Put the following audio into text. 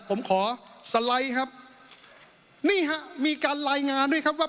ผมขอสไลด์ครับนี่ฮะมีการรายงานด้วยครับว่า